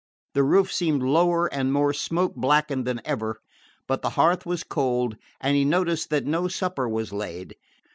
The roof seemed lower and more smoke blackened than ever, but the hearth was cold, and he noticed that no supper was laid.